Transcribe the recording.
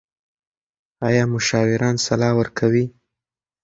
ایا مشاوران سلا ورکوي؟